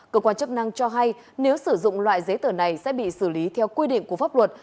cơ quan chức năng cho hay nếu sử dụng loại giấy tờ này sẽ bị xử lý theo quy định của pháp luật